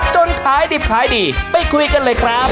ขายดิบขายดีไปคุยกันเลยครับ